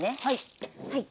はい。